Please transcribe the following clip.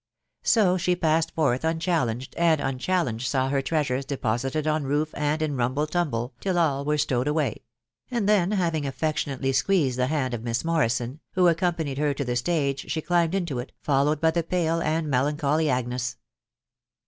So she passed forth unchallenged, and unchallenged saw her treasures deposited on roof and in rumble tumble till all were stowed away ; and then, having affectionately squeezed the hand of Miss Morrison, who accompanied her to the stage, she climbed into it, followed by the pale and melancholy Agnes.